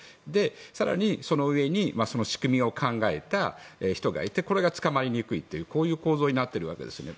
更に、そのうえに仕組みを考えた人がいてこれが捕まりにくいというこういう構造になっているわけですよね。